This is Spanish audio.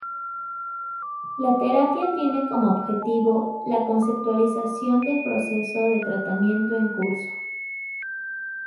La terapia tiene como objetivo, la conceptualización del proceso de tratamiento en curso.